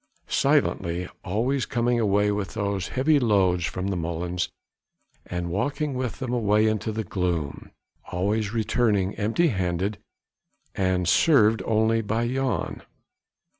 Silently, always coming away with those heavy loads from the molens, and walking with them away into the gloom, always returning empty handed, and served only by Jan.